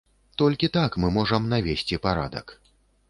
Толькі так мы можам навесці парадак.